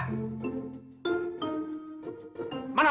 papa nggak percaya